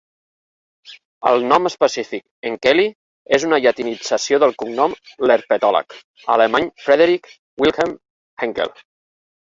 El nom específic "henkeli" és una llatinització del cognom de l'herpetòleg alemany Friedrich-Wilhelm Henkel.